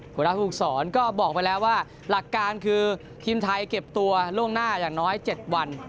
หัวหน้าภูมิสอนก็บอกไปแล้วว่าหลักการคือทีมไทยเก็บตัวล่วงหน้าอย่างน้อย๗วัน